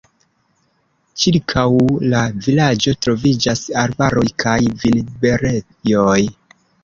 Ĉirkaŭ la vilaĝo troviĝas arbaroj kaj vinberejoj.